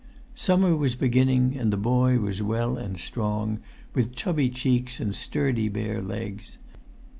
Summer was beginning, and the boy was well and strong, with chubby cheeks and sturdy bare legs.